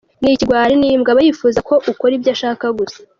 Ni ikigwari n’imbwa aba yifuza ko ukora ibyo ashaka gusa.